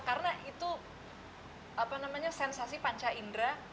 karena itu apa namanya sensasi panca indra